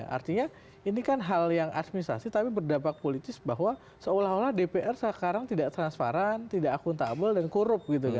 artinya ini kan hal yang administrasi tapi berdampak politis bahwa seolah olah dpr sekarang tidak transparan tidak akuntabel dan korup gitu kan